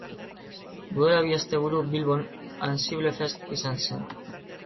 Duela bi asteburu Bilbon AnsibleFest izan zen.